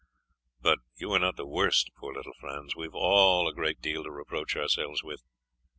But you are not the worst, poor little Franz. We've all a great deal to reproach ourselves with.